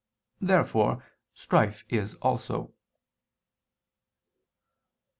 Therefore strife is also.